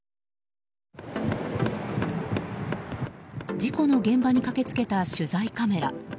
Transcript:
事故の現場に駆け付けた取材カメラ。